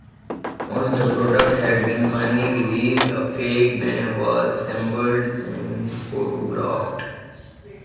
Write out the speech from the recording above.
Once the product had been finally released, a fake band was assembled and photographed.